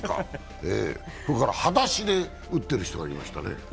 それから、裸足で打ってる人がいましたね。